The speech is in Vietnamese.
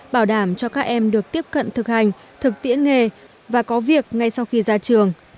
bảo đảm cho các em được tiếp cận thực hành thực tiễn nghề và có việc ngay sau khi ra trường